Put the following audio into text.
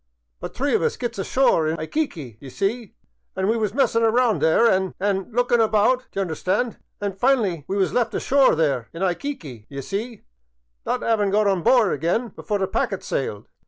But three of us gets ashore in ^yquique, d'ye see, an' we was messin' about there an' — an' — lookin* about, d' y' understand, an' fin'ly we was left ashore there in ^;yquique, d' ye see, not 'avin* got on board again before the packet sailed.